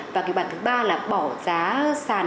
và kịch bản thứ ba là bỏ giá sàn